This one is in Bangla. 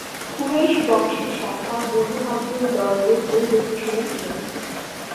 কুরাইশ বংশের শাখা বনু আব্দুল দর গোত্রের লোক ছিলেন তিনি।